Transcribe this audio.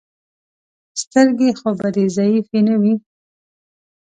سترګې خو به دې ضعیفې نه وي.